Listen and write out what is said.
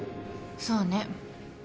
そうね。